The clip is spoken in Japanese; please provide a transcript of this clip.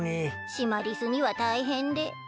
シマリスには大変で。